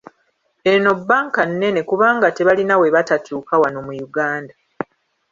Eno bbanka nnene kubanga tebalina we batatuuka wano mu Uganda.